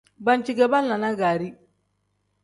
Banci ge banlanaa gaari.